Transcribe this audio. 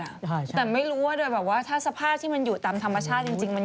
แต่ไม่รู้ว่าถ้าสภาพที่มันอยู่ตามธรรมชาติจริงมันอยู่ตรงไหนบ้าง